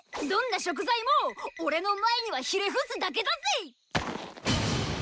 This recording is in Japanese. どんな食材もオレの前にはひれ伏すだけだぜ！